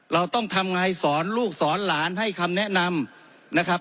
เราต้องทำไงสอนลูกสอนหลานให้คำแนะนำนะครับ